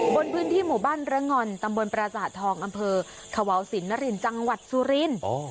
บนพื้นที่หมู่บ้านระงอนตำบลประสาททองอำเภอขวาวสินนรินจังหวัดสุรินทร์